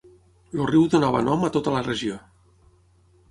El riu donava nom a tota la regió.